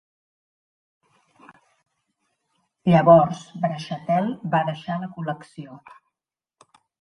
Llavors Braxiatel va deixar la Col·lecció.